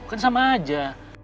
kan sama aja